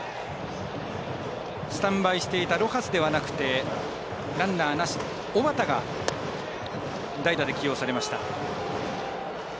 スタンバイしていたロハスではなくてランナーなし小幡が代打が起用されました。